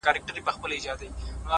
• د زړه بوټى مي دی شناخته د قبرونو،